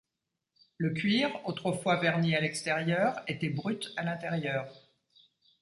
Le cuir, autrefois verni à l’extérieur, était brut à l’intérieur.